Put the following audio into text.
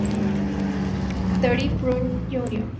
Dory Funk, Jr.